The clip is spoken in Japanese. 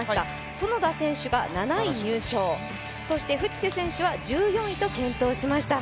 園田選手が７位、健闘、そして渕瀬選手は１４位と健闘しました。